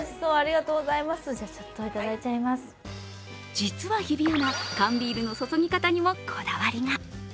実は日比アナ、缶ビールの注ぎ方にもこだわりが。